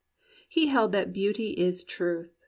He held that "beauty is truth."